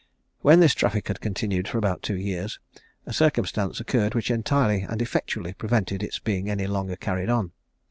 When this traffic had continued for about two years, a circumstance occurred which entirely and effectually prevented its being any longer carried on.